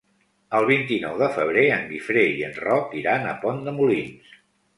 El vint-i-nou de febrer en Guifré i en Roc iran a Pont de Molins.